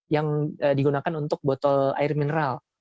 yang digunakan untuk botol air mineral